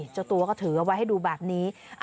เจ้าตัวก็ถือเอาไว้ให้ดูแบบนี้